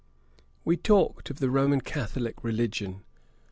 We talked of the Roman Catholick religion.